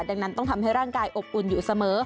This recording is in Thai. ดังนั้นต้องทำให้ร่างกายอบอุ่นอยู่เสมอ